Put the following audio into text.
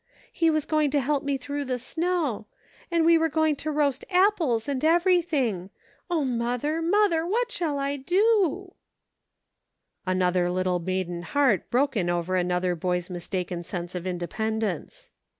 He was going to help me through the snow ; and we were going to roast apples, and everything, O, mother, mother, what shall I do "i " Another little maiden heart broken over another boy's mistaken sense of independence.